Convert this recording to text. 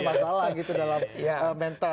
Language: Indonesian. masalah gitu dalam mental